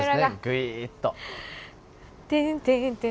ぐいっと。